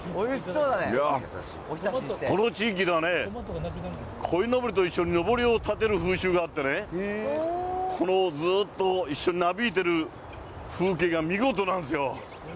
いやー、この地域ではね、こいのぼりと一緒にのぼりを立てる風習があってね、この、ずーっと一緒になびいている風景が見事なんですよ。